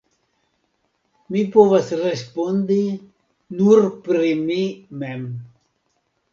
Mi povas respondi nur pri mi mem.